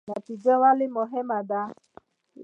نتیجه ولې مهمه ده؟